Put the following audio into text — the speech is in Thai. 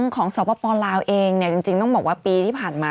สปลาวเองจริงต้องบอกว่าปีที่ผ่านมา